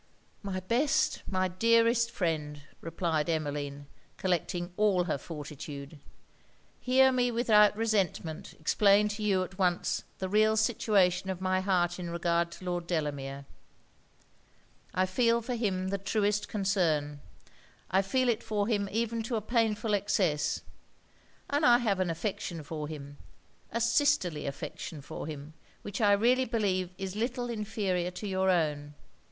'My best, my dearest friend,' replied Emmeline, collecting all her fortitude, 'hear me without resentment explain to you at once the real situation of my heart in regard to Lord Delamere. I feel for him the truest concern; I feel it for him even to a painful excess; and I have an affection for him, a sisterly affection for him, which I really believe is little inferior to your own.